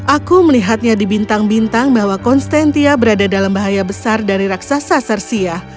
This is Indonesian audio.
aku melihatnya di bintang bintang bahwa konstantia berada dalam bahaya besar dari raksasa sersia